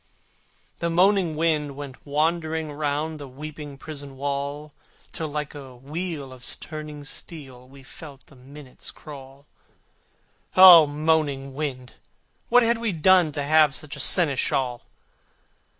The moaning wind went wandering round The weeping prison wall: Till like a wheel of turning steel We felt the minutes crawl: O moaning wind! what had we done To have such a seneschal?